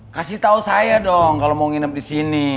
kasih tahu saya dong kalau mau nginep di sini